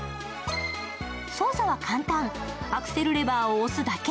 操作は簡単、アクセルレバーを押すだけ。